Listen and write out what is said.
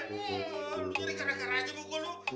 lu jadi kera kera aja buku lu